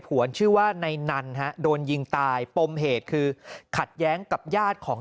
วนชื่อว่าในนันฮะโดนยิงตายปมเหตุคือขัดแย้งกับญาติของ